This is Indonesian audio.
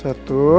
papa bantu ino